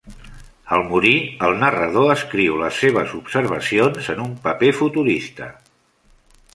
Al morir, el narrador escriu les seves observacions en un paper futurista.